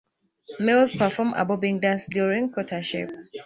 Males perform a bobbing dance during courtship.